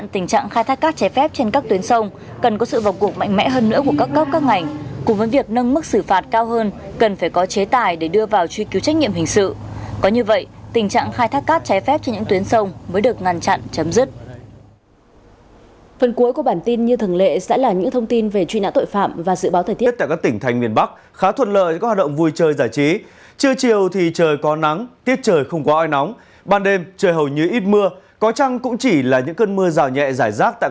tình trạng khai thác cát cháy phép trên những tuyến sông mới được ngăn chặn chấm dứt